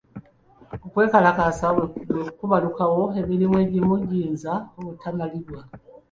Okwekalakaasa bwe kubalukawo, emirimu egimu giyinza obutamalibwa.